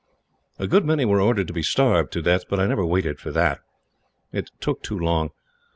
"A good many were ordered to be starved to death. But I never waited for that. It took too long.